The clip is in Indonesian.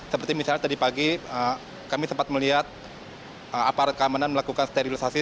seperti misalnya tadi pagi kami sempat melihat aparat keamanan melakukan sterilisasi